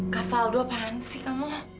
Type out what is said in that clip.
kak faldo apaan sih kamu